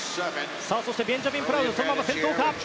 そしてベンジャミン・プラウドそのまま先頭か。